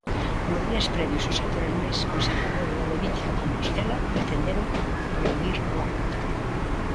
Nos días previos os sectores máis conservadores da levítica Compostela pretenderon prohibir o acto.